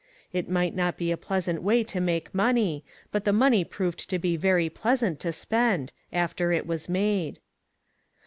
It might not be a pleasant way to make money, but the money proved to be very pleasant to spend, after it was made.